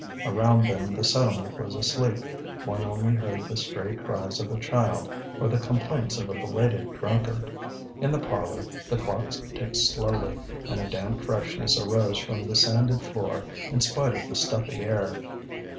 Around them the settlement was asleep; one only heard the stray cries of a child or the complaints of a belated drunkard. In the parlour the clock ticked slowly, and a damp freshness arose from the sanded floor in spite of the stuffy air.